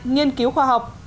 nghiên cứu khoa học